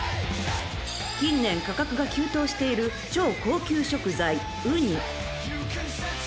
［近年価格が急騰している超高級食材うに］